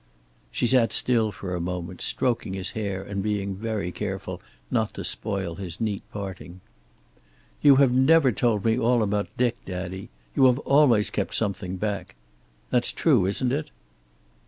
She sat still for a moment, stroking his hair and being very careful not to spoil his neat parting. "You have never told me all about Dick, daddy. You have always kept something back. That's true, isn't it?"